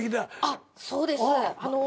あっそうです。